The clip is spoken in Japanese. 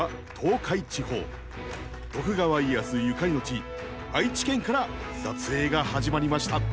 徳川家康ゆかりの地愛知県から撮影が始まりました。